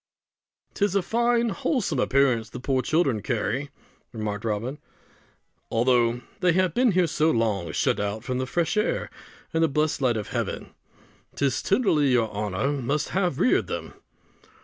"'Tis a fine wholesome appearance the poor children carry," remarked Robin, "although they have been here so long shut out from the fresh air and the blessed light of heaven. 'Tis tenderly your honour must have reared them!"